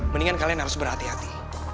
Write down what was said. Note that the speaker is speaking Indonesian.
mendingan kalian harus berhati hati